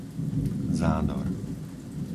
Zádor